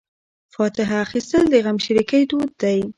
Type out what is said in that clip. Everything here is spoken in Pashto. فاتحه اخیستل د غمشریکۍ دود دی.